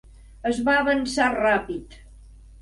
Es va avançar ràpid.